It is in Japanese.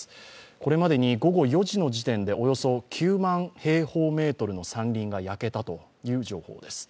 これまでに午後４時の時点でおよそ９万平方メートルの山林が焼けたという情報です。